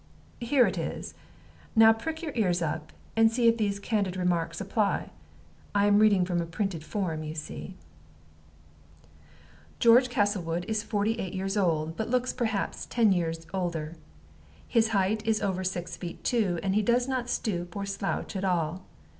"Here it is. Now prick your ears up, and see if these candid remarks apply. I am reading from a printed form, you see: "'George Castlewood is forty eight years old, but looks perhaps ten years older. His height is over six feet two, and he does not stoop or slouch at all.